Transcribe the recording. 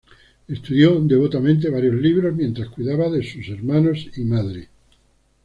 Estudió devotamente varios libros, mientras cuidaba de sus hermanos y madre.